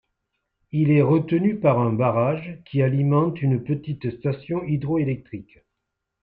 Il est retenu par un barrage qui alimente une petite station hydroélectrique.